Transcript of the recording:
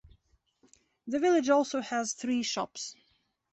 The village also has three shops.